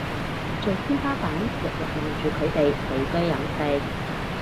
做天花板日日望住佢哋起居飲食